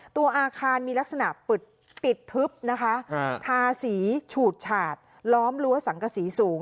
ตัวอาคารมีลักษณะปิดทึบนะคะทาสีฉูดฉาดล้อมรั้วสังกษีสูง